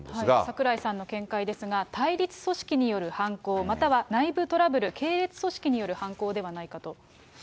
櫻井さんの見解ですが、対立組織による犯行、または内部トラブル、系列組織による犯行ではないかと。